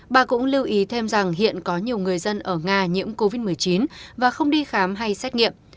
bà cũng lưu ý thêm rằng hiện có nhiều người dân ở nga nhiễm covid một mươi chín và không đi khám hay xét nghiệm